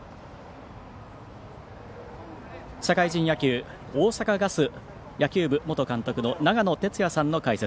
社会人野球大阪ガス野球部元監督の長野哲也さんの解説。